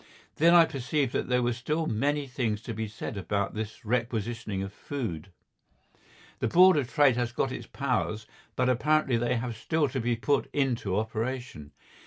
Then I perceived that there were still many things to be said about this requisitioning of food. The Board of Trade has got its powers, but apparently they have still to be put into operation.